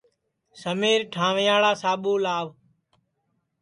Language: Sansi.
سمیر ٹھانٚوئیاڑا ساٻو لئو